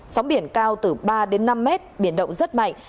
sóng biển cao từ ba đến năm mét biển động rất mạnh